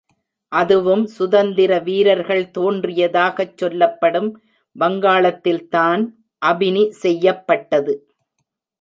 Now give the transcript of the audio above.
அதுவும் சுதந்திர வீரர்கள் தோன்றியதாகச் சொல்லப்படும் வங்காளத்தில்தான் அபினி செய்யப்பட்டது.